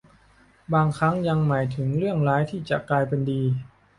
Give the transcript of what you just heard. บางครั้งยังหมายถึงเรื่องร้ายที่จะกลายเป็นดี